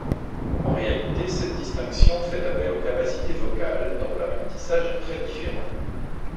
En réalité, cette distinction fait appel aux capacités vocales, dont l’apprentissage est très différent.